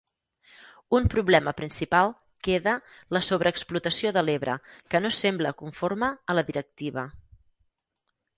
Un problema principal queda la sobreexplotació de l'Ebre que no sembla conforme a la directiva.